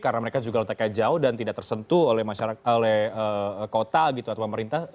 karena mereka juga letaknya jauh dan tidak tersentuh oleh masyarakat oleh kota gitu atau pemerintah